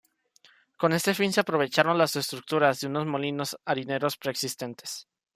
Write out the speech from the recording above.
Con este fin se aprovecharon las estructuras de unos molinos harineros preexistentes.